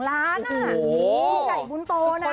ผู้ใหญ่บุญโตนะ